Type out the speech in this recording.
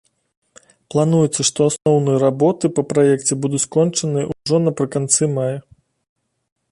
Плануецца, што асноўныя работы па праекце будуць скончаныя ўжо напрыканцы мая.